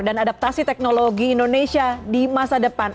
dan adaptasi teknologi indonesia di masa depan